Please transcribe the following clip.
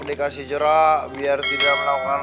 dikasih jerak biar tidak menaungkan